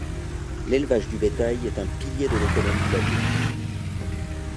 L'élevage du bétail est un pilier de l'économie de la ville.